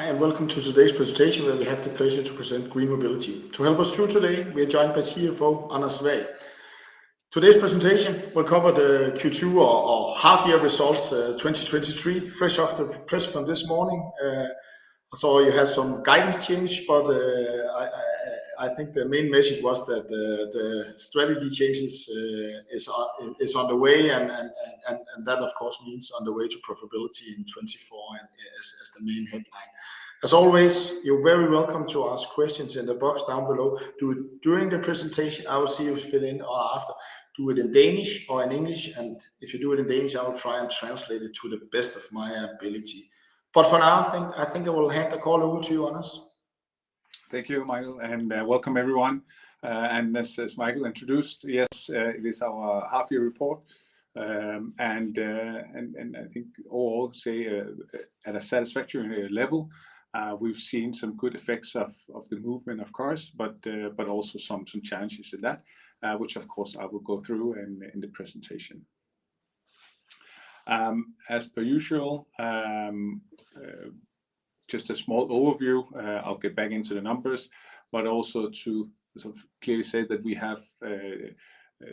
Hi, welcome to today's presentation, where we have the pleasure to present GreenMobility. To help us through today, we are joined by CFO, Anders Wall. Today's presentation will cover the Q2 or, or half year results, 2023, fresh off the press from this morning. You have some guidance change, but I think the main message was that the strategy changes is on the way, and that, of course, means on the way to profitability in 2024 and as the main headline. As always, you're very welcome to ask questions in the box down below, do it during the presentation, I will see you fill in or after, do it in Danish or in English, and if you do it in Danish, I will try and translate it to the best of my ability. For now, I think, I think I will hand the call over to you, Anders. Thank you, Michael. Welcome, everyone. As, as Michael introduced, yes, it is our half year report. I think all say, at a satisfactory level, we've seen some good effects of, of the movement, of course, but also some, some challenges in that, which of course, I will go through in, in the presentation. As per usual, just a small overview. I'll get back into the numbers, but also to sort of clearly say that we have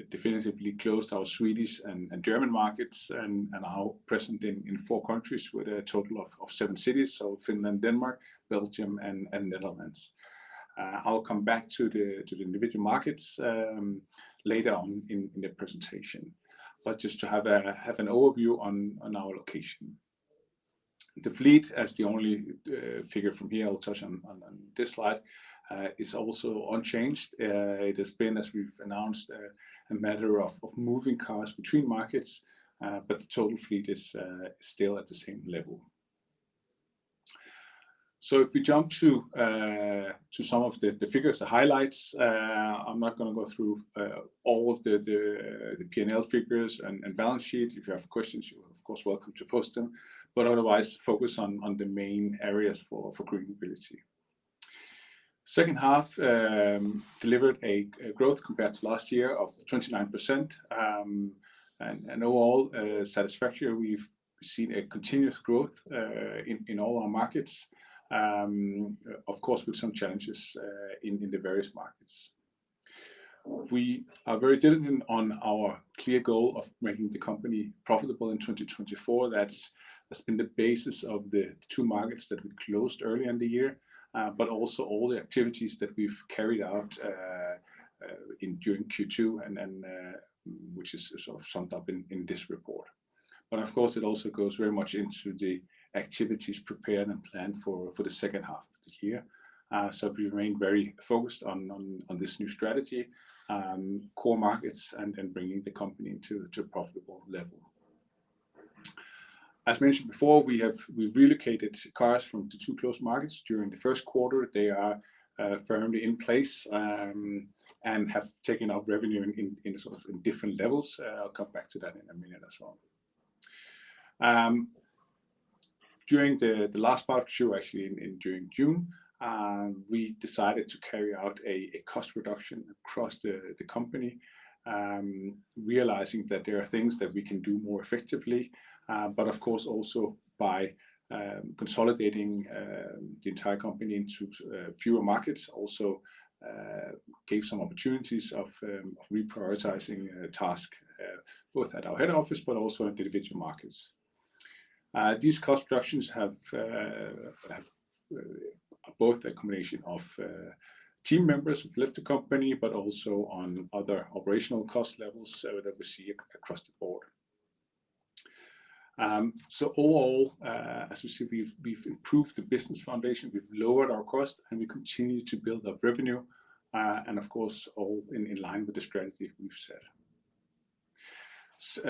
definitively closed our Swedish and German markets and are present in 4 countries with a total of 7 cities, so Finland, Denmark, Belgium, and Netherlands. I'll come back to the, to the individual markets later on in, in the presentation. Just to have an overview on our location. The fleet, as the only figure from here, I'll touch on this slide, is also unchanged. It has been, as we've announced, a matter of moving cars between markets, the total fleet is still at the same level. If we jump to some of the figures, the highlights, I'm not going to go through all of the PNL figures and balance sheet. If you have questions, you are, of course, welcome to post them, but otherwise, focus on the main areas for GreenMobility. Second half delivered a growth compared to last year of 29%, and an overall satisfactory. We've seen a continuous growth, in, in all our markets, of course, with some challenges, in, in the various markets. We are very diligent on our clear goal of making the company profitable in 2024. That's, that's been the basis of the 2 markets that we closed early in the year, but also all the activities that we've carried out in during Q2, and then, which is sort of summed up in, in this report. Of course, it also goes very much into the activities prepared and planned for, for the second half of the year. We remain very focused on, on, on this new strategy, core markets and, and bringing the company to, to a profitable level. As mentioned before, we've relocated cars from the 2 closed markets during the first quarter. They are firmly in place and have taken up revenue in, in, sort of in different levels. I'll come back to that in a minute as well. During the last part of Q, actually, in, during June, we decided to carry out a cost reduction across the company, realizing that there are things that we can do more effectively, but of course, also by consolidating the entire company into fewer markets, also gave some opportunities of reprioritizing task both at our head office, but also in individual markets. These cost reductions have both a combination of team members who've left the company, but also on other operational cost levels, so that we see across the board. All, as you see, we've, we've improved the business foundation, we've lowered our cost, and we continue to build up revenue, and of course, all in, in line with the strategy we've set.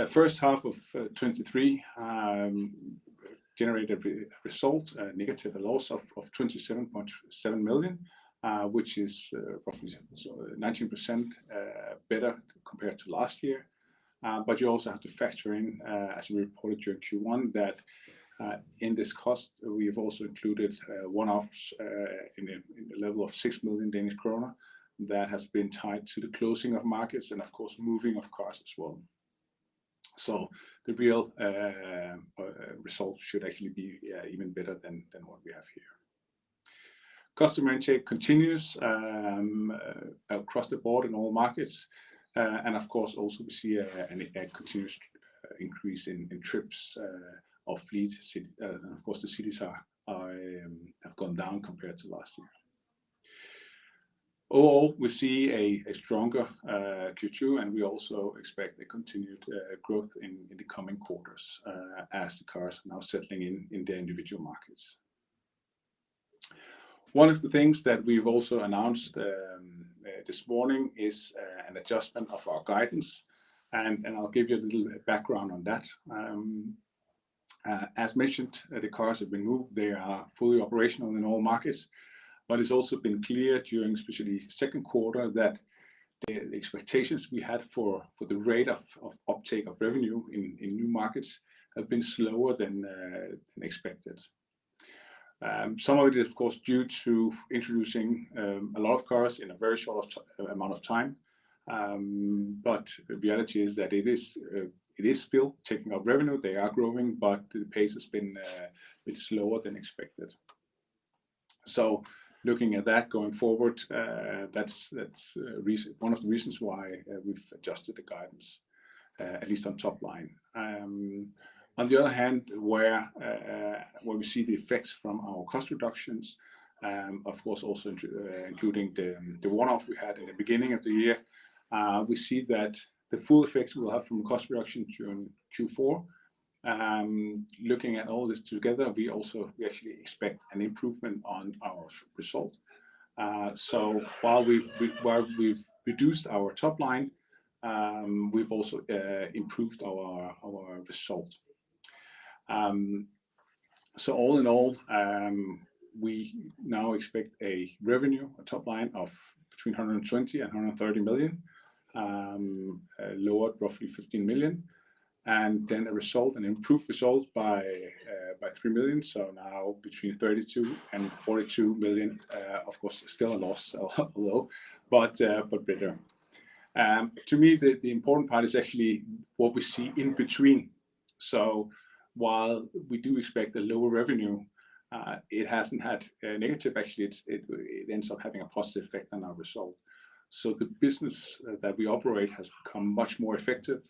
First half of 2023 generated a result, a negative loss of 27.7 million, which is roughly so 19% better compared to last year. You also have to factor in, as we reported during Q1, that in this cost, we've also included one-offs in a level of 6 million Danish kroner that has been tied to the closing of markets and, of course, moving of cars as well. The real result should actually be even better than what we have here. Customer intake continues across the board in all markets, and of course, also, we see a continuous increase in trips of fleet. Of course, the cities have gone down compared to last year. We see a stronger Q2. We also expect a continued growth in the coming quarters as the cars are now settling in their individual markets. One of the things that we've also announced this morning is an adjustment of our guidance. I'll give you a little background on that. As mentioned, the cars have been moved. They are fully operational in all markets, but it's also been clear during, especially second quarter, that the expectations we had for, for the rate of, of uptake of revenue in, in new markets have been slower than expected. Some of it, of course, due to introducing a lot of cars in a very short amount of time, but the reality is that it is still taking up revenue. They are growing, but the pace has been a bit slower than expected. Looking at that going forward, that's, that's reason, one of the reasons why we've adjusted the guidance, at least on top line. On the other hand, where, where we see the effects from our cost reductions, of course, also including the one-off we had in the beginning of the year, we see that the full effects we will have from cost reduction during Q4. Looking at all this together, we actually expect an improvement on our result. While we've reduced our top line, we've also improved our result. All in all, we now expect a revenue, a top line of between 120 million and 130 million, lowered roughly 15 million, and then a result, an improved result by 3 million. Now between 32 million and 42 million, of course, still a loss, although better. To me, the important part is actually what we see in between. While we do expect a lower revenue, it hasn't had a negative. Actually, it, it, it ends up having a positive effect on our result. The business that we operate has become much more effective,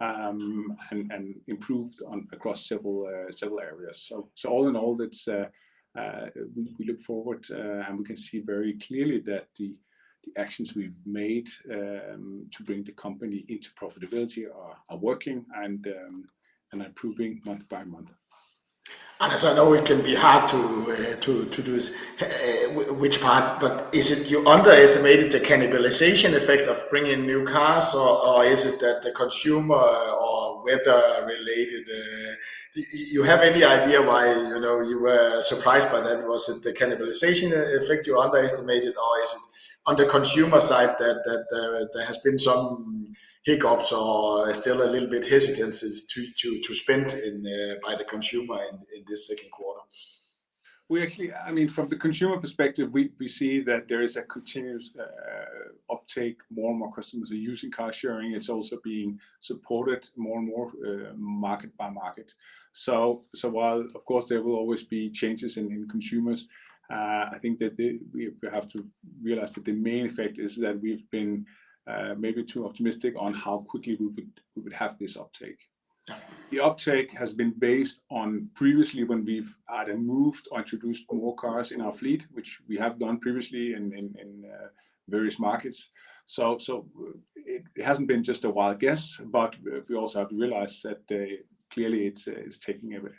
and improved on across several areas. All in all, we look forward, and we can see very clearly that the actions we've made, to bring the company into profitability are working and improving month by month. I know it can be hard to, to, to do this, which part, but is it you underestimated the cannibalization effect of bringing new cars, or, or is it that the consumer or weather are related? Do you, you have any idea why, you know, you were surprised by that? Was it the cannibalization effect you underestimated, or is it on the consumer side that, that, there has been some hiccups or still a little bit hesitancy to, to, to spend in, by the consumer in, in this second quarter? We actually, I mean, from the consumer perspective, we, we see that there is a continuous uptake. More and more customers are using car sharing. It's also being supported more and more, market by market. While, of course, there will always be changes in, in consumers, I think that we, we have to realize that the main effect is that we've been maybe too optimistic on how quickly we would, we would have this uptake. The uptake has been based on previously when we've either moved or introduced more cars in our fleet, which we have done previously in, in, in various markets. It, it hasn't been just a wild guess, but we also have to realize that clearly it's, it's taking a bit,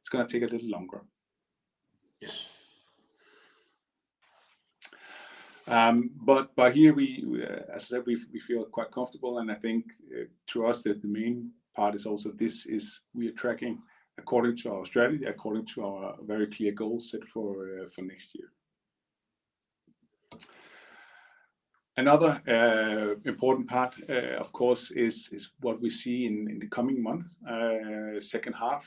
it's gonna take a little longer. Yes. But here we, as I said, we, we feel quite comfortable, and I think, to us, that the main part is also this is we are tracking according to our strategy, according to our very clear goals set for next year. Another important part, of course, is, is what we see in, in the coming months, second half,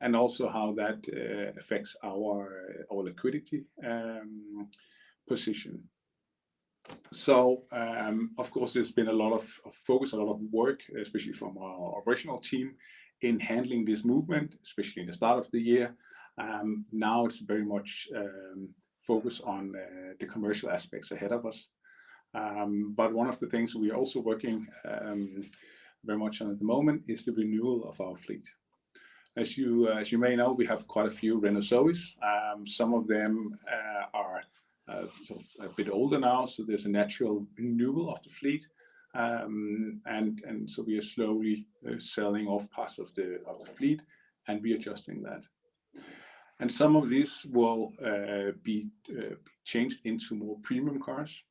and also how that affects our, our liquidity position. Of course, there's been a lot of focus, a lot of work, especially from our operational team, in handling this movement, especially in the start of the year. Now it's very much focused on the commercial aspects ahead of us. One of the things we are also working very much on at the moment is the renewal of our fleet. As you, as you may know, we have quite a few Renault Zoes. Some of them are sort of a bit older now, so there's a natural renewal of the fleet. So we are slowly selling off parts of the fleet and readjusting that. Some of this will be changed into more premium cars.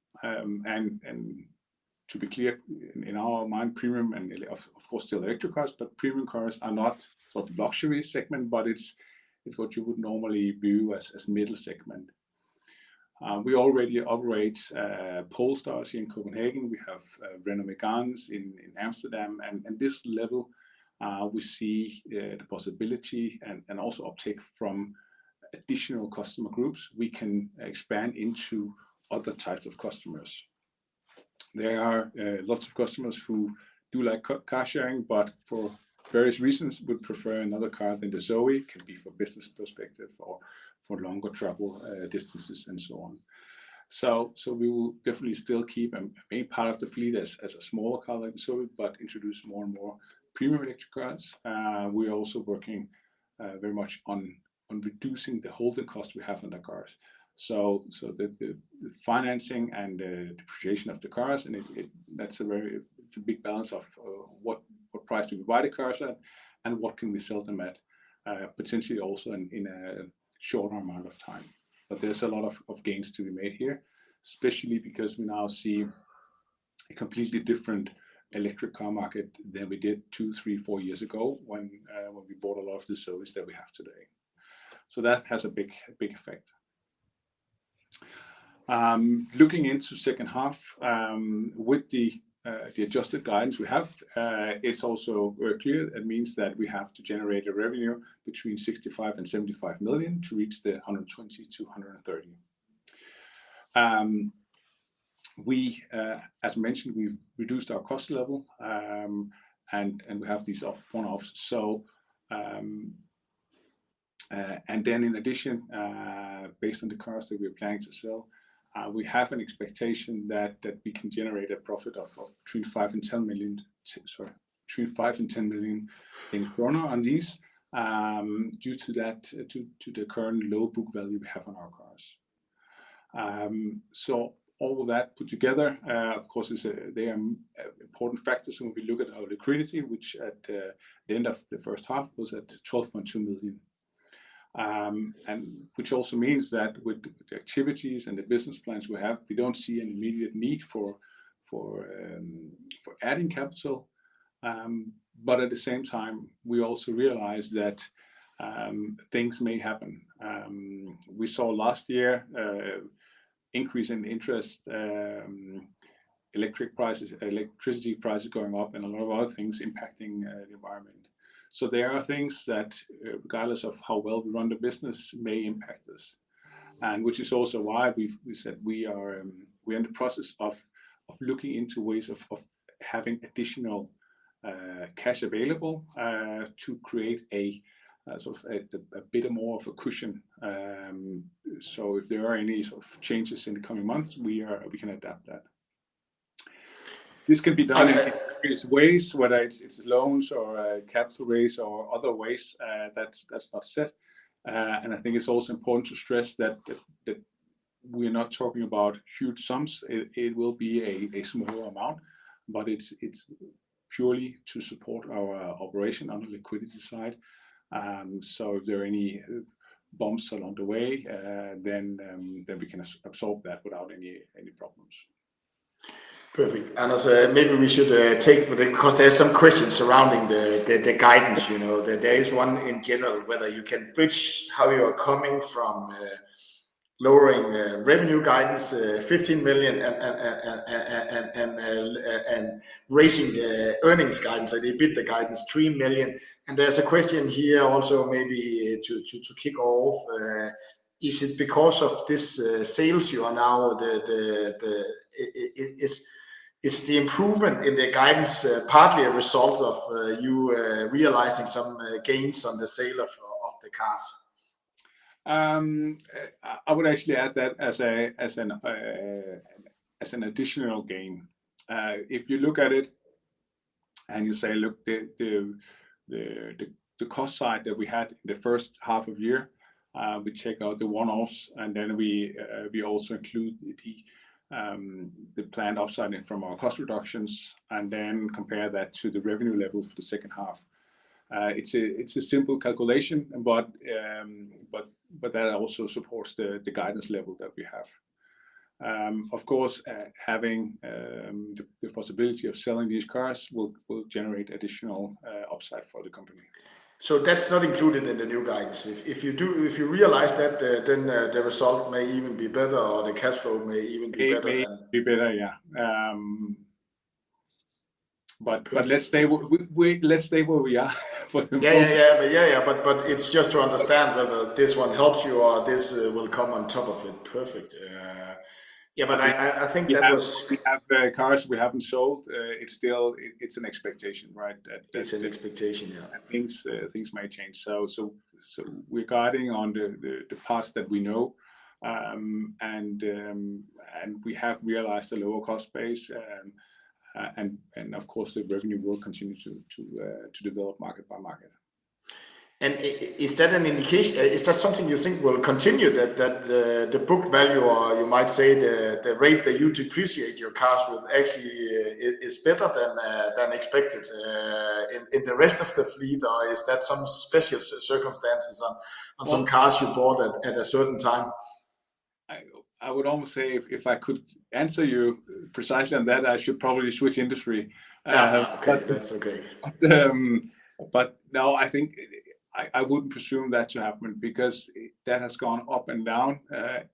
To be clear, in our mind, premium, of course, still electric cars, but premium cars are not for the luxury segment, but it's what you would normally view as middle segment. We already operate Polestar in Copenhagen. We have Renault Megane in Amsterdam, and this level, we see the possibility and also uptake from additional customer groups. We can expand into other types of customers. There are lots of customers who do like car sharing, but for various reasons, would prefer another car than the Zoe. It could be for business perspective or for longer travel distances and so on. We will definitely still keep and a part of the fleet as a smaller car like the Zoe, but introduce more and more premium electric cars. We are also working very much on reducing the holding cost we have on the cars. The financing and the depreciation of the cars, and it's a big balance of what price do we buy the cars at, and what can we sell them at, potentially also in a shorter amount of time. There's a lot of, of gains to be made here, especially because we now see a completely different electric car market than we did two, three, four years ago, when we bought a lot of the Zoes that we have today. So that has a big, big effect. Looking into second half, with the adjusted guidance we have, it's also clear it means that we have to generate a revenue between 65 million and 75 million to reach 120 million to 130 million. We, as mentioned, we've reduced our cost level, and we have these off, one-offs. Then in addition, based on the cars that we are planning to sell, we have an expectation that, that we can generate a profit of, of between 5 million and 10 million, sorry, between 5 million and 10 million kroner on these, due to that, to the current low book value we have on our cars. All of that put together, of course, is a, they are important factors when we look at our liquidity, which at the end of the first half was at 12.2 million. Which also means that with the activities and the business plans we have, we don't see an immediate need for, for adding capital. At the same time, we also realize that things may happen. We saw last year, increase in interest, electric prices, electricity prices going up, and a lot of other things impacting the environment. There are things that, regardless of how well we run the business, may impact us. Which is also why we said we are, we are in the process of looking into ways of having additional cash available to create a sort of a bit more of a cushion. If there are any sort of changes in the coming months, we can adapt that. This can be done in various ways, whether it's loans or capital raise or other ways, that's not set. I think it's also important to stress that we're not talking about huge sums. It, it will be a, a smaller amount, but it's, it's purely to support our operation on the liquidity side. If there are any bumps along the way, then we can absorb that without any problems. Perfect. Anders, maybe we should take for the because there are some questions surrounding the guidance, you know. There, there is one in general, whether you can bridge how you are coming from lowering revenue guidance, 15 million and raising earnings guidance, so they beat the guidance 3 million. There's a question here also, maybe to kick off: is it because of this sales, is the improvement in the guidance partly a result of you realizing some gains on the sale of the cars? I would actually add that as an additional gain. If you look at it and you say, look, the, the, the, the, the cost side that we had in the first half of year, we check out the one-offs, and then we also include the planned upside in from our cost reductions, and then compare that to the revenue level for the second half. It's a, it's a simple calculation, but, but that also supports the guidance level that we have. Of course, having the possibility of selling these cars will generate additional upside for the company. That's not included in the new guidance? If, if you realize that, then, the result may even be better, or the cash flow may even be better than- May be better, yeah. Good Let's stay let's stay where we are for the moment. Yeah, yeah. Yeah, yeah, but, but it's just to understand whether this one helps you or this will come on top of it. Perfect. Yeah, I think that was. We have, we have, cars we haven't sold. It's still... It's an expectation, right? It's an expectation, yeah. Things, things may change. We're guiding on the, the, the parts that we know. We have realized a lower cost base, and of course, the revenue will continue to, to develop market by market. Is that an indication-- is that something you think will continue, that, that, the book value, or you might say, the, the rate that you depreciate your cars will actually, is, is better than, than expected, in, in the rest of the fleet? Or is that some special circumstances on, on some cars you bought at, at a certain time? I, I would almost say if, if I could answer you precisely on that, I should probably switch industry. Ah, okay, that's okay. No, I think I, I wouldn't presume that to happen because that has gone up and down.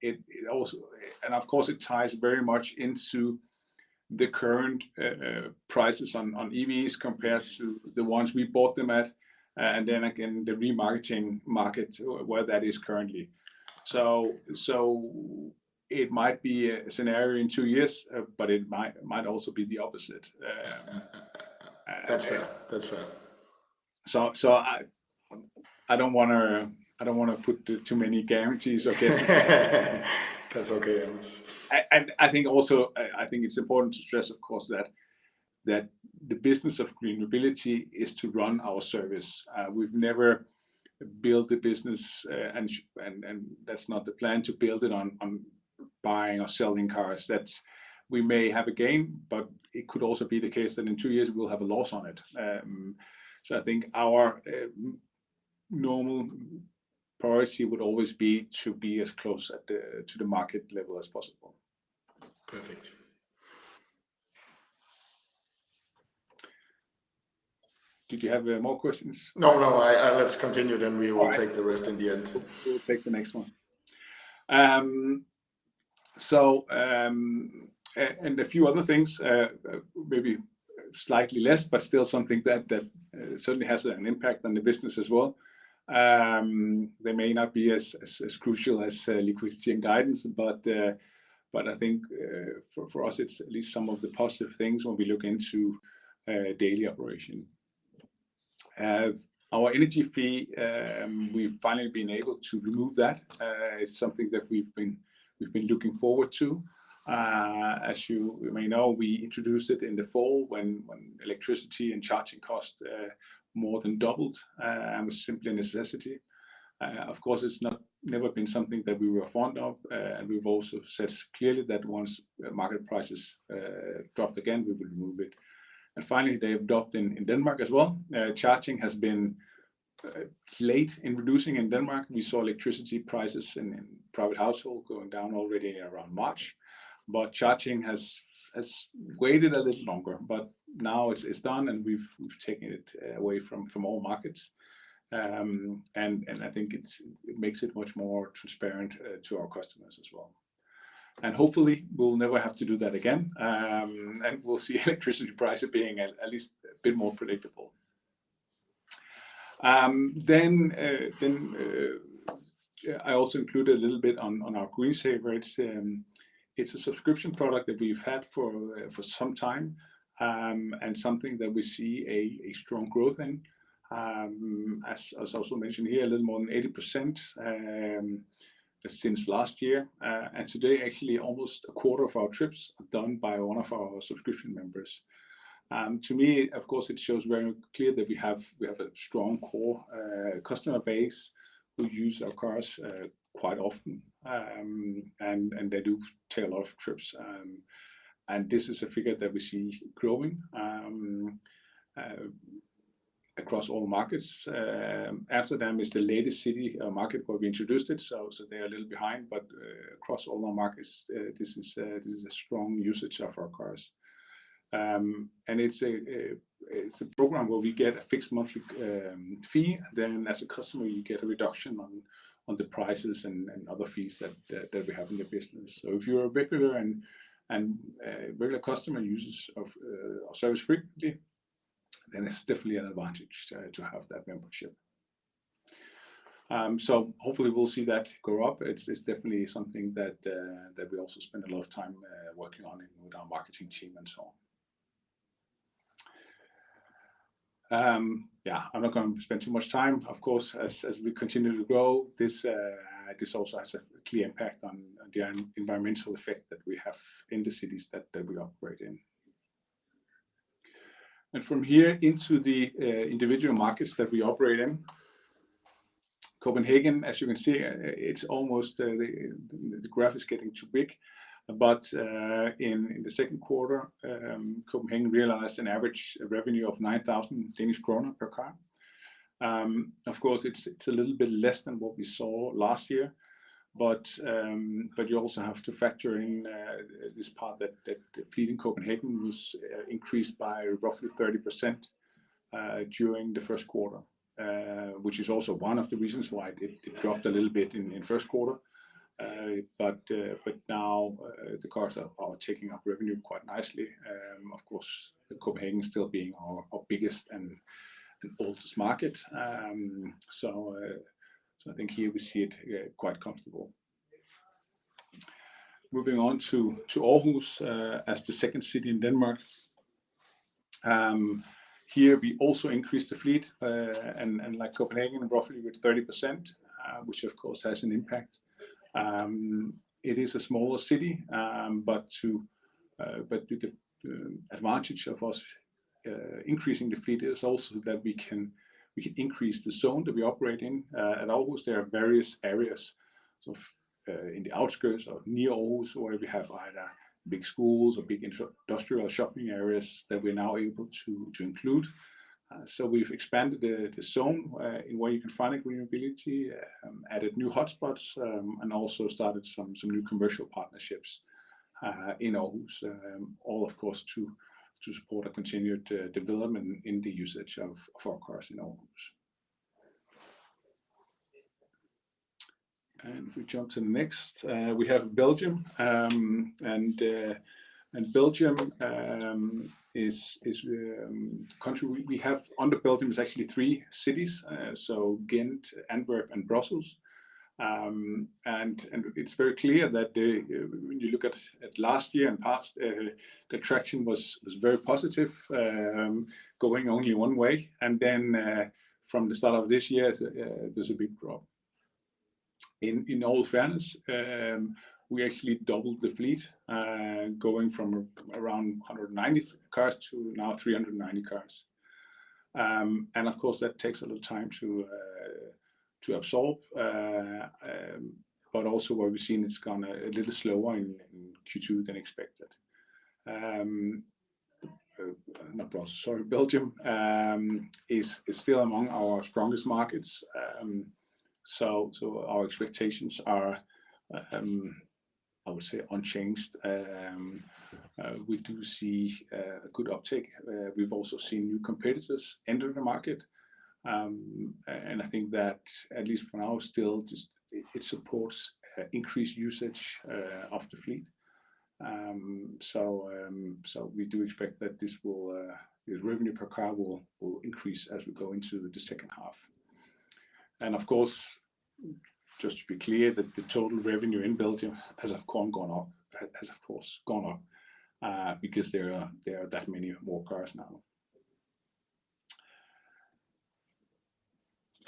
It also. Of course, it ties very much into the current prices on EVs compared to the ones we bought them at, and then again, the remarketing market, where that is currently. It might be a scenario in 2 years, but it might, might also be the opposite. That's fair. That's fair. So I, I don't wanna, I don't wanna put too many guarantees, I guess. That's okay, Anders. I think also, I think it's important to stress, of course, that, that the business of GreenMobility is to run our service. We've never built a business, and that's not the plan, to build it on, on buying or selling cars. That's. We may have a gain, but it could also be the case that in two years we'll have a loss on it. I think our normal priority would always be to be as close at the, to the market level as possible. Perfect. Did you have more questions? No, no, I, let's continue then. All right. We will take the rest in the end. We'll take the next one. A few other things, maybe slightly less, but still something that certainly has an impact on the business as well. They may not be as, as, as crucial as liquidity and guidance, but I think for us, it's at least some of the positive things when we look into daily operation. Our energy fee, we've finally been able to remove that. It's something that we've been looking forward to. As you may know, we introduced it in the fall when electricity and charging costs more than doubled and was simply a necessity. Of course, it's never been something that we were fond of, and we've also said clearly that once market prices dropped again, we would remove it. Finally, they have dropped in, in Denmark as well. Charging has been late in reducing in Denmark. We saw electricity prices in, in private household going down already around March, but charging has, has waited a little longer, but now it's, it's done, and we've, we've taken it away from, from all markets. I think it's, it makes it much more transparent to our customers as well. Hopefully, we'll never have to do that again, and we'll see electricity prices being at, at least a bit more predictable. I also included a little bit on, on our GreenSaver. It's, it's a subscription product that we've had for some time, and something that we see a, a strong growth in. As, as also mentioned here, a little more than 80% since last year. Today, actually, almost a quarter of our trips are done by one of our subscription members. To me, of course, it shows very clear that we have, we have a strong core customer base who use our cars quite often, and, and they do take a lot of trips. This is a figure that we see growing across all markets. Amsterdam is the latest city, market where we introduced it, so, so they are a little behind, but across all our markets, this is a, this is a strong usage of our cars. It's a program where we get a fixed monthly fee, then as a customer, you get a reduction on the prices and other fees that we have in the business. If you're a regular and a regular customer and users of our service frequently, then it's definitely an advantage to have that membership. Hopefully we'll see that go up. It's, it's definitely something that we also spend a lot of time working on with our marketing team and so on. I'm not going to spend too much time. Of course, as we continue to grow, this also has a clear impact on the environmental effect that we have in the cities that we operate in. From here into the individual markets that we operate in, Copenhagen, as you can see, it's almost the graph is getting too big. In the second quarter, Copenhagen realized an average revenue of 9,000 Danish kroner per car. Of course, it's a little bit less than what we saw last year, but you also have to factor in this part that the fleet in Copenhagen was increased by roughly 30% during the first quarter, which is also one of the reasons why it dropped a little bit in first quarter. But now, the cars are taking up revenue quite nicely. Of course, Copenhagen still being our biggest and oldest market. I think here we see it quite comfortable. Moving on to Aarhus, as the second city in Denmark. Here, we also increased the fleet, and like Copenhagen, roughly with 30%, which, of course, has an impact. It is a smaller city, but the advantage of us increasing the fleet is also that we can increase the zone that we operate in. Aarhus, there are various areas, so, in the outskirts or near Aarhus, where we have either big schools or big industrial shopping areas that we're now able to include. We've expanded the zone in where you can find GreenMobility, added new hotspots, and also started some new commercial partnerships in Aarhus. All, of course, to, to support a continued development in the usage of, of our cars in Aarhus. If we jump to the next, we have Belgium. Belgium, we have under Belgium, is actually three cities, so Ghent, Antwerp, and Brussels. It's very clear that when you look at last year and past, the traction was very positive, going only one way, from the start of this year, there's a big drop. In all fairness, we actually doubled the fleet, going from around 190 cars to now 390 cars. Of course, that takes a little time to absorb. Also what we've seen, it's gone a little slower in Q2 than expected. Not Brussels, sorry, Belgium, is still among our strongest markets. Our expectations are, I would say unchanged. We do see a good uptake. We've also seen new competitors enter the market, and I think that at least for now, still, just it, it supports increased usage of the fleet. We do expect that this will, the revenue per car will increase as we go into the second half. Of course, just to be clear, that the total revenue in Belgium has, of course, gone up, has of course gone up, because there are, there are that many more cars now.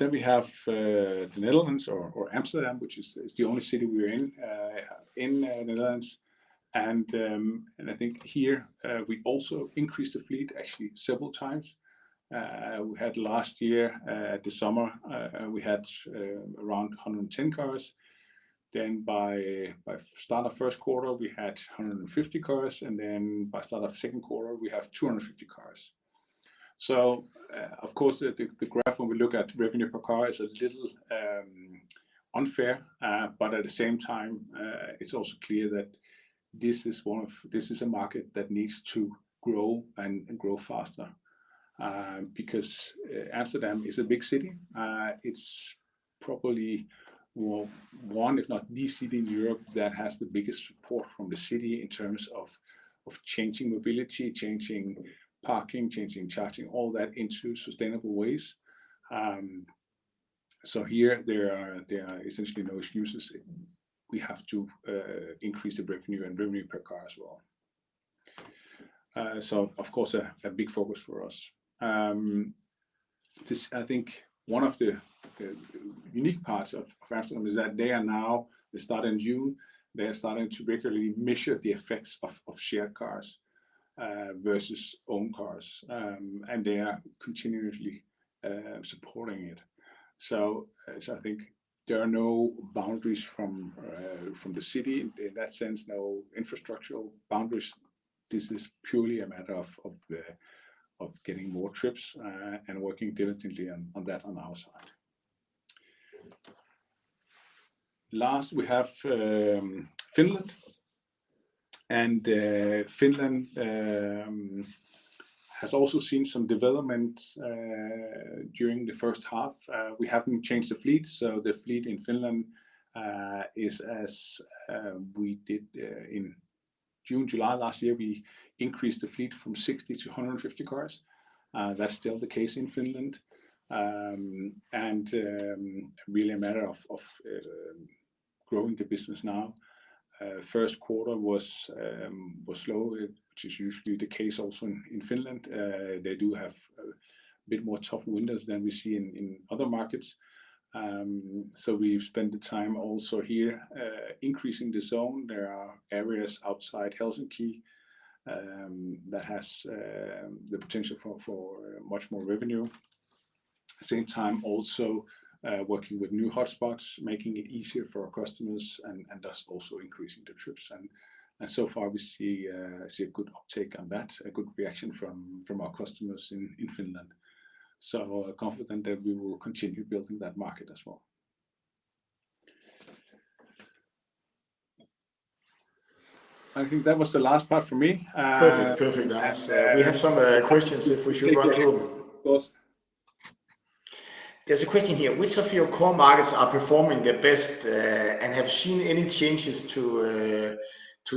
We have the Netherlands or Amsterdam, which is, is the only city we're in in Netherlands. I think here, we also increased the fleet, actually several times. We had last year, at the summer, we had around 110 cars. By, by start of first quarter, we had 150 cars, and then by start of second quarter, we have 250 cars. Of course, the, the, the graph, when we look at revenue per car, is a little unfair. At the same time, it's also clear that this is one of-- this is a market that needs to grow and grow faster. Because Amsterdam is a big city, it's probably, well, one, if not the city in Europe, that has the biggest support from the city in terms of, of changing mobility, changing parking, changing charging, all that into sustainable ways. Here there are, there are essentially no excuses. We have to increase the revenue and revenue per car as well. Of course, a, a big focus for us. This I think one of the, the unique parts of Amsterdam is that they are now, they start in June, they are starting to regularly measure the effects of, of shared cars, versus owned cars. They are continuously supporting it. So I think there are no boundaries from, from the city in that sense, no infrastructural boundaries. This is purely a matter of, of the, of getting more trips, and working diligently on, on that on our side. Last, we have Finland. Finland has also seen some development during the first half. We haven't changed the fleet, so the fleet in Finland is as we did in June, July last year, we increased the fleet from 60 to 150 cars. That's still the case in Finland. Really a matter of, of growing the business now. First quarter was slow, which is usually the case also in Finland. They do have a bit more tough windows than we see in, in other markets. We've spent the time also here, increasing the zone. There are areas outside Helsinki that has the potential for much more revenue. At the same time, also working with new hotspots, making it easier for our customers and thus also increasing the trips. So far, we see a good uptake on that, a good reaction from our customers in Finland. We're confident that we will continue building that market as well. I think that was the last part for me. Perfect. Perfect. We have some questions if we should run through them. Of course. There's a question here: Which of your core markets are performing the best, and have seen any changes to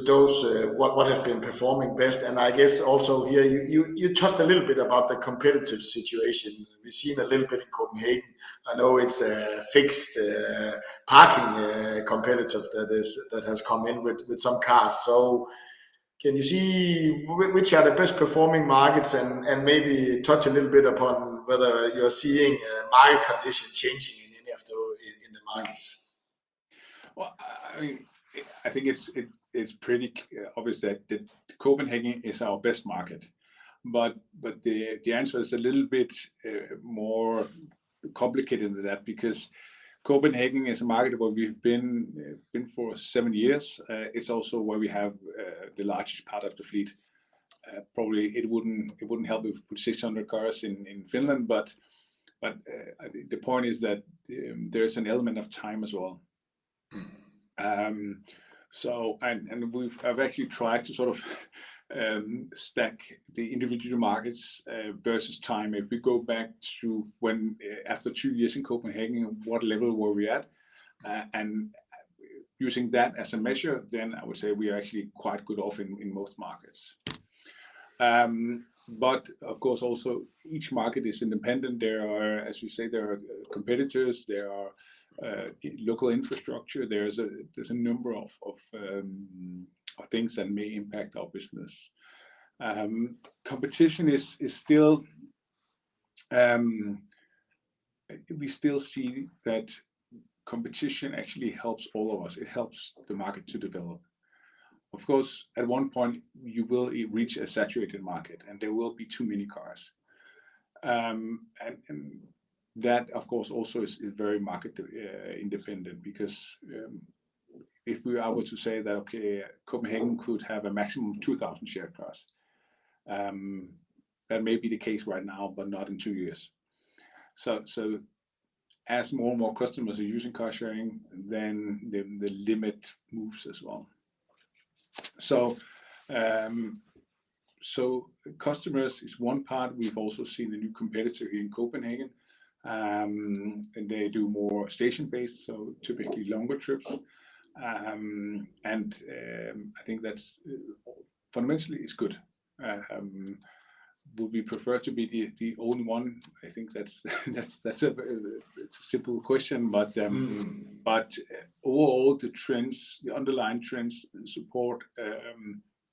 those, what, what have been performing best? I guess also here, you, you, you talked a little bit about the competitive situation. We've seen a little bit in Copenhagen. I know it's a fixed, parking, competitive that has come in with, with some cars. Can you see which are the best-performing markets, and, and maybe touch a little bit upon whether you're seeing, market condition changing in any of the, in, in the markets? Well, I, I think it's, it, it's pretty clear, obvious that, that Copenhagen is our best market, but the answer is a little bit more complicated than that, because Copenhagen is a market where we've been, been for seven years. It's also where we have the largest part of the fleet. Probably it wouldn't, it wouldn't help if we put 600 cars in, in Finland, but the point is that there's an element of time as well. I've actually tried to sort of stack the individual markets versus time. If we go back to when after two years in Copenhagen, what level were we at? Using that as a measure, then I would say we are actually quite good off in, in most markets. Of course, also each market is independent. There are, as you say, there are competitors, there are local infrastructure, there's a, there's a number of things that may impact our business. Competition is, is still... We still see that competition actually helps all of us. It helps the market to develop. Of course, at one point, you will reach a saturated market, and there will be too many cars. That, of course, also is, is very market independent, because if we are were to say that, okay, Copenhagen could have a maximum of 2,000 shared cars, that may be the case right now, but not in two years. As more and more customers are using car sharing, then the, the limit moves as well. Customers is one part. We've also seen a new competitor in Copenhagen, and they do more station-based, so typically longer trips. I think that's fundamentally is good. Would we prefer to be the, the only one? I think that's, that's, that's a, it's a simple question, overall, the trends, the underlying trends support,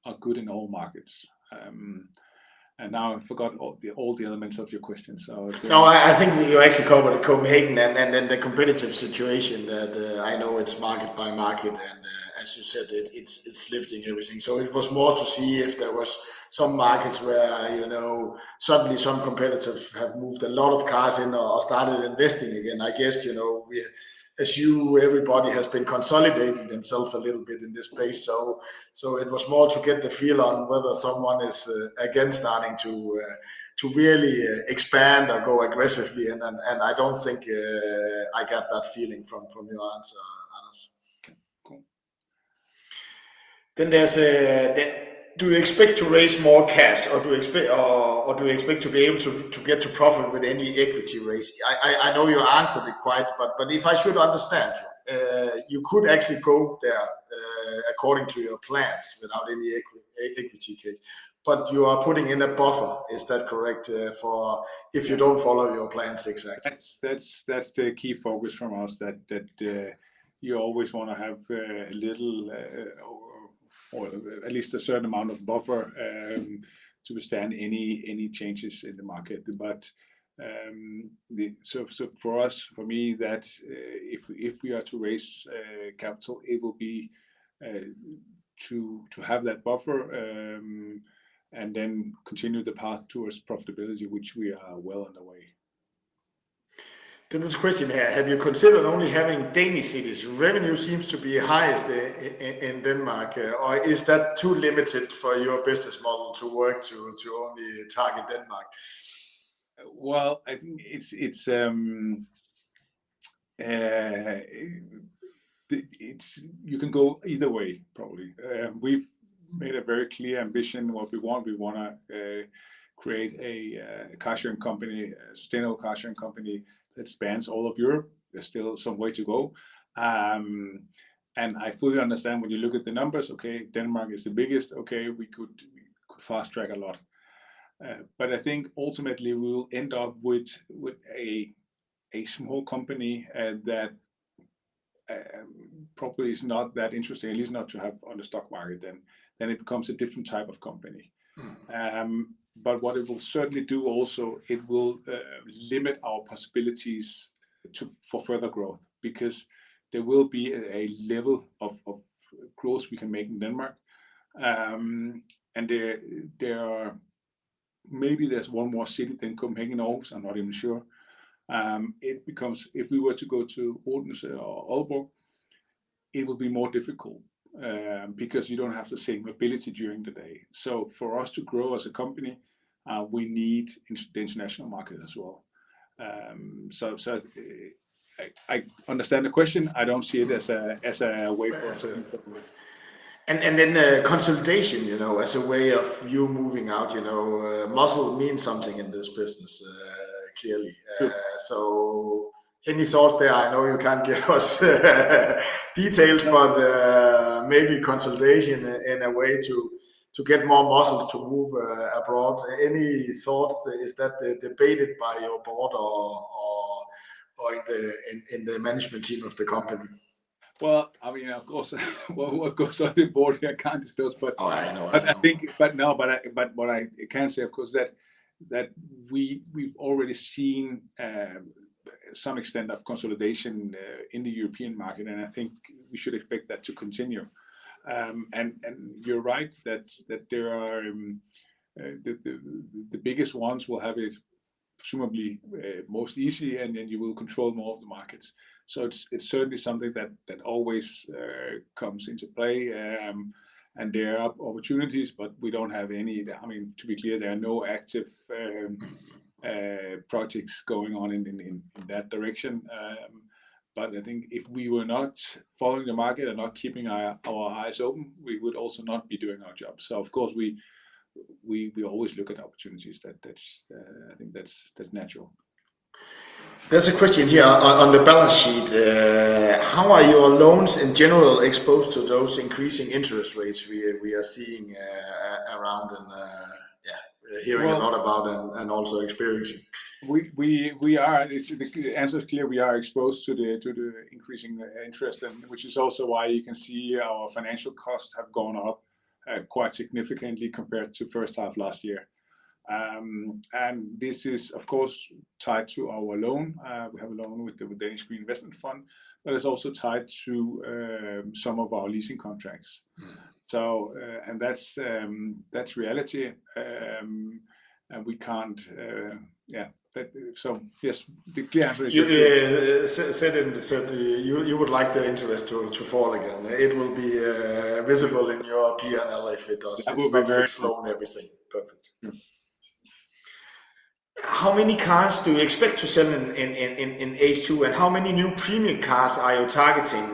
are good in all markets. Now I've forgotten all the, all the elements of your question, so. No, I, I think you actually covered Copenhagen and then the competitive situation that, I know it's market by market, and, as you said, it, it's, it's lifting everything. It was more to see if there was some markets where, you know, suddenly some competitors have moved a lot of cars in or, or started investing again. I guess, you know, we, as you, everybody has been consolidating themselves a little bit in this space. It was more to get the feel on whether someone is, again, starting to, to really expand or grow aggressively, and, and I don't think I got that feeling from, from your answer, Anders. Okay, cool. There's a, "Do you expect to raise more cash, or do you expect to be able to get to profit with any equity raise?" I know you answered it quite, but if I should understand you, you could actually go there, according to your plans, without any equity case, but you are putting in a buffer. Is that correct, for if you don't follow your plans exactly? That's, that's, that's the key focus from us, that, that, you always want to have a little, or, or at least a certain amount of buffer, to withstand any, any changes in the market. So, so for us, for me, that, if, if we are to raise, capital, it will be, to, to have that buffer, and then continue the path towards profitability, which we are well on the way. This question here: "Have you considered only having Danish cities? Revenue seems to be highest in Denmark, or is that too limited for your business model to work to only target Denmark? Well, I think it's, it's. It's, you can go either way, probably. We've made a very clear ambition what we want. We wanna create a cash-in company, a sustainable cash-in company that spans all of Europe. There's still some way to go. I fully understand when you look at the numbers, okay, Denmark is the biggest, okay, we could fast-track a lot. I think ultimately we will end up with, with a, a small company, that probably is not that interesting, at least not to have on the stock market, then, then it becomes a different type of company. Mm. What it will certainly do also, it will limit our possibilities to, for further growth, because there will be a level of, of growth we can make in Denmark. There, there are, maybe there's one more city than Copenhagen and Aarhus, I'm not even sure. It becomes, if we were to go to Odense or Aalborg, it would be more difficult, because you don't have the same mobility during the day. For us to grow as a company, we need the international market as well. So I, I understand the question. I don't see it as a, as a way for us. Then, consolidation, you know, as a way of you moving out, you know, muscle means something in this business, clearly. Sure. Any thoughts there? I know you can't give us details, but, maybe consolidation in a way to, to get more muscles to move, abroad. Any thoughts? Is that debated by your board or, or, or in the, in, in the management team of the company? Well, I mean, of course, what goes on in board, I can't discuss, but, Oh, I know. I think, but no, but I, but what I can say, of course, that, that we've already seen some extent of consolidation in the European market, and I think we should expect that to continue. You're right that, that there are the, the, the biggest ones will have it presumably most easy, and then you will control more of the markets. It's, it's certainly something that, that always comes into play. There are opportunities, but we don't have any... I mean, to be clear, there are no active projects going on in, in, in that direction. I think if we were not following the market and not keeping our, our eyes open, we would also not be doing our job. Of course, we, we, we always look at opportunities. That, that's, I think that's, that's natural. There's a question here on, on the balance sheet. "How are your loans in general exposed to those increasing interest rates we are seeing around and, yeah, hearing a lot about and, and also experiencing? The answer is clear, we are exposed to the, to the increasing interest, which is also why you can see our financial costs have gone up quite significantly compared to first half last year. This is, of course, tied to our loan. We have a loan with The Danish Green Investment Fund, but it's also tied to some of our leasing contracts. Mm. And that's, that's reality. And we can't... Yeah, that, so yes, the clear- You did say it, said you, you would like the interest to, to fall again. It will be visible in your PNL if it does. It will be very. Fixed loan, everything. Perfect.... How many cars do you expect to sell in H2, and how many new premium cars are you targeting?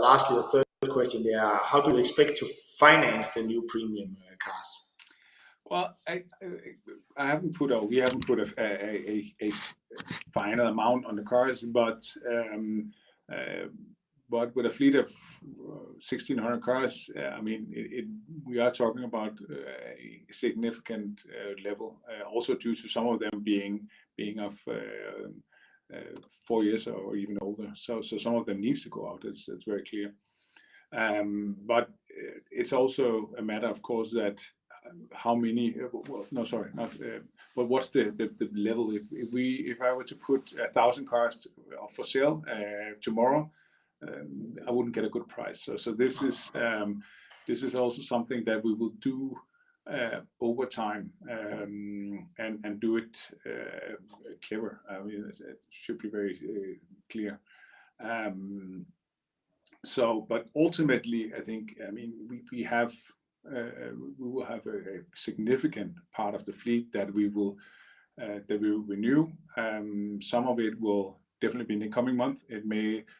Lastly, the third question there, how do you expect to finance the new premium cars? Well, I, we haven't put a final amount on the cars, but, but with a fleet of 1,600 cars, I mean, it, it, we are talking about a significant level, also due to some of them being, being of 4 years or even older. Some of them needs to go out. It's, it's very clear. But it's also a matter, of course, that, how many... Well, no, sorry, not, but what's the level? If I were to put 1,000 cars for sale tomorrow, I wouldn't get a good price. This is, this is also something that we will do over time, and, and do it clever. I mean, it should be very clear. But ultimately, I think, I mean, we, we have, we will have a significant part of the fleet that we will that we will renew. Some of it will definitely be in the coming month.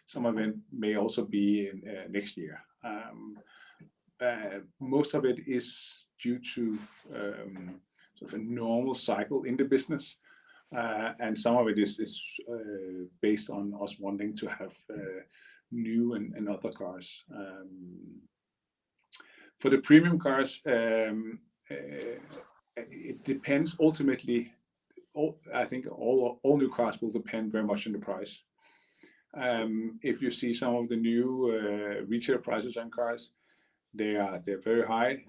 Some of it may also be in next year. Most of it is due to sort of a normal cycle in the business. Some of it is, is based on us wanting to have new and other cars. For the premium cars, it depends. Ultimately, I think all, all new cars will depend very much on the price. If you see some of the new retail prices on cars, they are, they're very high.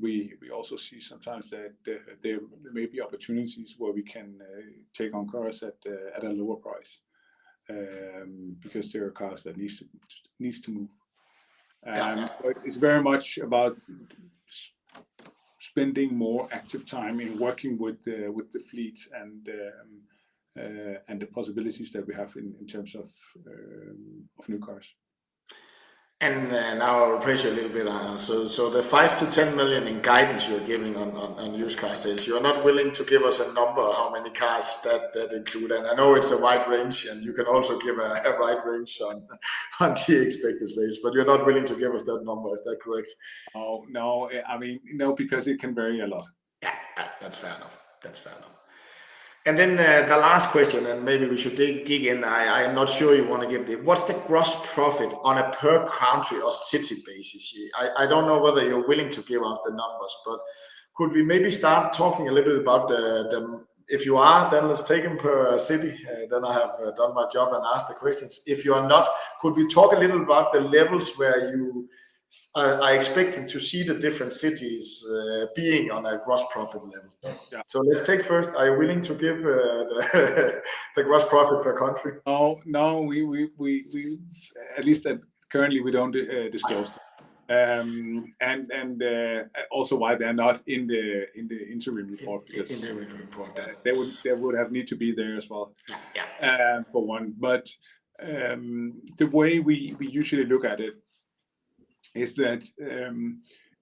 We, we also see sometimes that there, there may be opportunities where we can take on cars at a, at a lower price, because there are cars that needs to, needs to move. Yeah. It's, it's very much about spending more active time in working with the, with the fleet and, and the possibilities that we have in, in terms of, of new cars. Then I'll press you a little bit on, so the 5 million-10 million in guidance you are giving on used car sales, you are not willing to give us a number how many cars that include? I know it's a wide range, and you can also give a wide range on the expected sales, but you're not willing to give us that number. Is that correct? Oh, no, I mean, no, because it can vary a lot. Yeah, that's fair enough. That's fair enough. Then, the last question, and maybe we should dig in. I'm not sure you want to give it. What's the gross profit on a per country or city basis? I don't know whether you're willing to give out the numbers, but could we maybe start talking a little bit about the... If you are, then let's take them per city, then I have done my job and asked the questions. If you are not, could we talk a little about the levels where you are expecting to see the different cities being on a gross profit level? Yeah. Let's take first, are you willing to give, the gross profit per country? No, no, we at least, currently, we don't disclose that. Also why they are not in the interim report, because. In the interim report, yeah.... they would, they would have need to be there as well. Yeah for one. The way we usually look at it is that,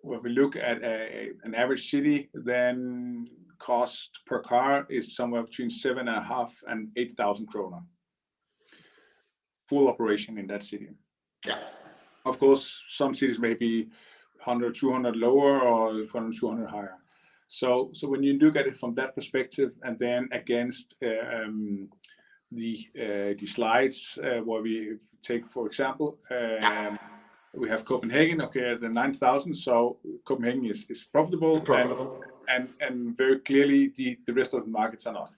when we look at an average city, then cost per car is somewhere between 7,500 and 8,000 krone. Full operation in that city. Yeah. Of course, some cities may be 100, 200 lower or 100, 200 higher. so when you do get it from that perspective, and then against the slides, where we take, for example, we have Copenhagen, okay, the 9,000. Copenhagen is, is profitable- Profitable... and very clearly, the rest of the markets are not,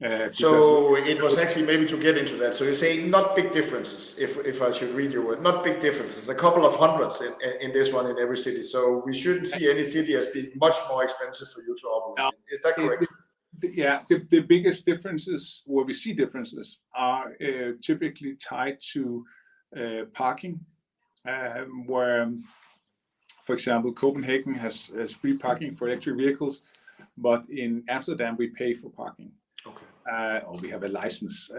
because- It was actually maybe to get into that. You're saying not big differences, if, if I should read your word, not big differences, DKK a couple of 100s in, in this one, in every city. We shouldn't see any city as being much more expensive for you to operate. No. Is that correct? Yeah. The biggest differences, where we see differences, are typically tied to parking. Where, for example, Copenhagen has free parking for electric vehicles, but in Amsterdam, we pay for parking. Okay. We have a license.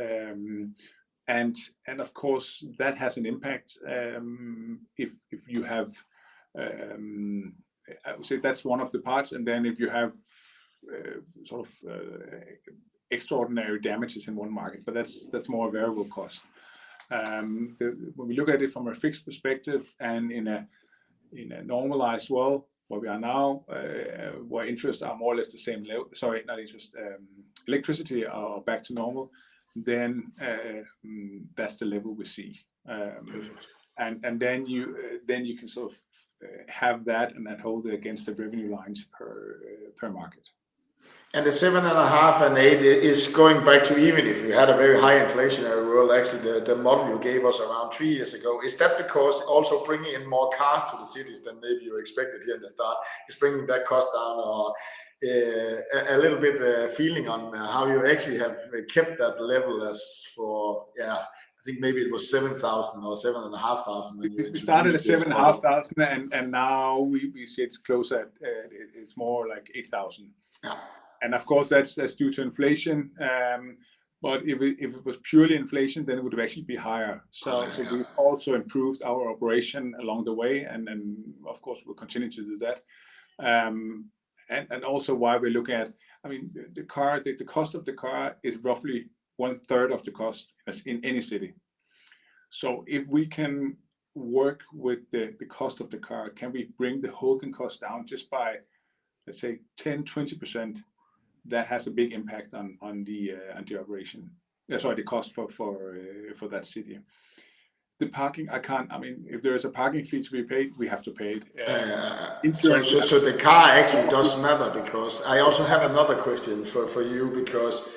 Of course, that has an impact, if you have... That's one of the parts, and then if you have, sort of, extraordinary damages in one market, but that's, that's more a variable cost. When we look at it from a fixed perspective and in a normalized world, where we are now, where interests are more or less the same level, sorry, not interest, electricity are back to normal, then, that's the level we see. Mm. Then you can sort of have that, and then hold it against the revenue lines per, per market. and 8 is going back to even if you had a very high inflationary world, actually, the, the model you gave us around 3 years ago. Is that because also bringing in more cars to the cities than maybe you expected here at the start, is bringing that cost down, or a little bit feeling on how you actually have kept that level as for, yeah, I think maybe it was 7,000 or 7,500 when we- We started at 7,500, and now we see it's closer, it's more like 8,000. Of course, that's, that's due to inflation. If it, if it was purely inflation, then it would actually be higher. Yeah. We've also improved our operation along the way, and then, of course, we'll continue to do that. And also why we look at-- I mean, the car, the, the cost of the car is roughly 1/3 of the cost as in any city. If we can work with the, the cost of the car, can we bring the holding cost down just by, let's say, 10%-20%, that has a big impact on, on the operation. That's why the cost for that city. The parking, I can't... I mean, if there is a parking fee to be paid, we have to pay it, insurance- Yeah. So, so the car actually does matter, because I also have another question for, for you, because,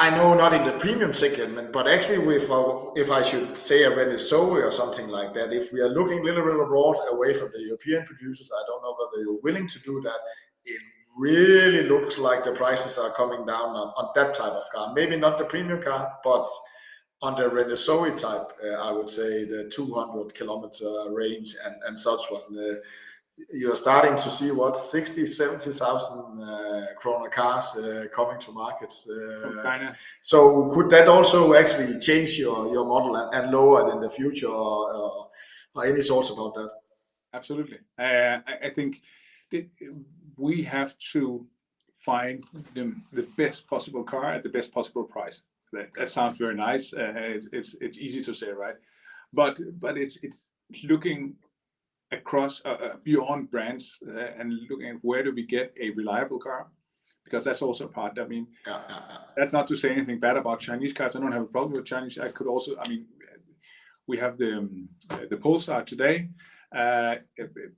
I know not in the premium segment, but actually with our if I should say a Renault Zoe or something like that, if we are looking a little bit abroad, away from the European producers, I don't know whether you're willing to do that. It really looks like the prices are coming down on, on that type of car. Maybe not the premium car, but on the Renault Zoe type, I would say the 200 kilometer range and, and such what. You're starting to see, what? 60,000-70,000 krone cars, coming to markets... Kind of. Could that also actually change your, your model and lower it in the future, or any thoughts about that? Absolutely. I, I think we have to find the, the best possible car at the best possible price. That, that sounds very nice, it's, it's easy to say, right? But it's, it's looking across beyond brands and looking at where do we get a reliable car, because that's also part. I mean... Yeah. That's not to say anything bad about Chinese cars. I don't have a problem with Chinese. I could also... I mean, we have the, the Polestar today. It,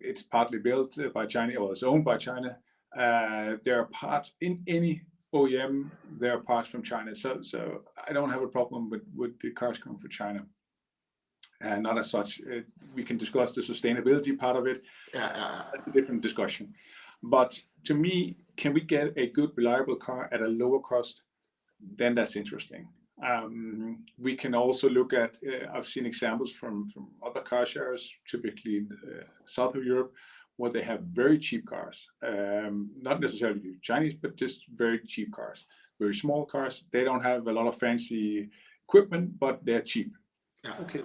it's partly built by China, or it's owned by China. There are parts in any OEM, there are parts from China. I don't have a problem with, with the cars coming from China, not as such. We can discuss the sustainability part of it. Yeah. That's a different discussion. To me, can we get a good, reliable car at a lower cost? That's interesting. We can also look at, I've seen examples from, from other car shares, typically in South of Europe, where they have very cheap cars. Not necessarily Chinese, but just very cheap cars, very small cars. They don't have a lot of fancy equipment, but they're cheap. Okay.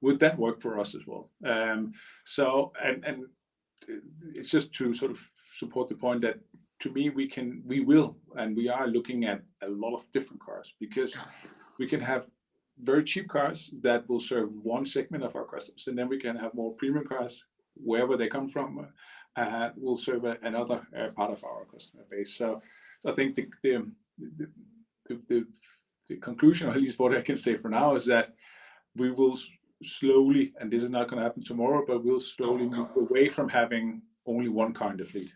Would that work for us as well? It's just to sort of support the point that to me, we can, we will, and we are looking at a lot of different cars. Yeah. Because we can have very cheap cars that will serve one segment of our customers, and then we can have more premium cars, wherever they come from, will serve another part of our customer base. I think the conclusion, or at least what I can say for now, is that we will slowly, and this is not going to happen tomorrow, but we'll slowly move away from having only one kind of fleet.